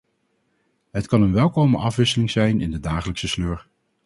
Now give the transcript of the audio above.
Het kan een welkome afwisseling zijn in de dagelijkse sleur.